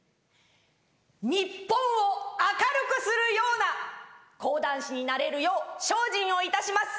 日本を明るくするような講談師になれるよう精進をいたします。